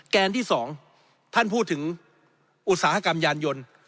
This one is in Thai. แกนที่๒ท่านพูดถึงอุตสาหกรรมยานยนต์